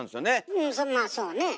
うんまあそうね。